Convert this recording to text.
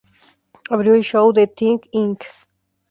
Abrió el show de Think Inc.